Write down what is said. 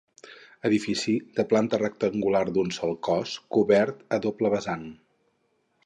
Edifici de planta rectangular d'un sol cos, cobert a doble vessant.